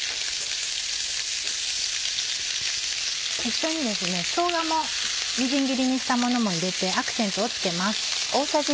一緒にしょうがもみじん切りにしたものも入れてアクセントを付けます。